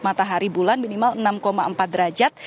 matahari bulan minimal enam empat derajat dan enam lima derajat